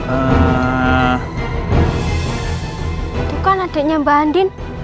itu kan adiknya mbak andin